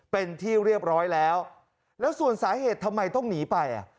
เป็นที่เรียบร้อยแล้วแล้วส่วนสาเหตุทำไมต้องหนีไปอ่ะ